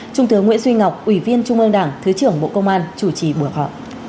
trung tướng nguyễn duy ngọc ủy viên trung ương đảng thứ trưởng bộ công an chủ trì buộc họ